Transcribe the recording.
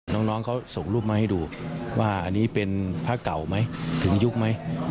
น้องเขาส่งรูปมาให้ดูว่าอันนี้เป็นพระเก่าไหมถึงยุคไหม